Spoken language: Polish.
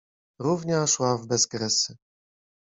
Równia szła w bezkresy.